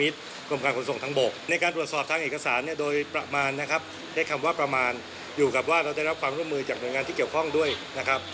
ใช้คำว่าประมาณอยู่กับว่าเราได้รับความร่วมมือจากหน่วยงานที่เกี่ยวข้องด้วยนะครับ